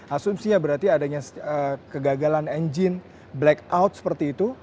asumsinya berarti adanya kegagalan engine blackout seperti itu